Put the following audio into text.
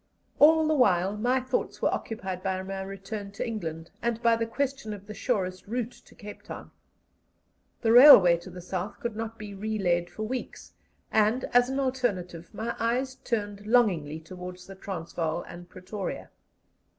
All the while my thoughts were occupied by my return to England and by the question of the surest route to Cape Town. The railway to the South could not be relaid for weeks, and, as an alternative, my eyes turned longingly towards the Transvaal and Pretoria.